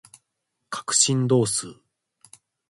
角振動数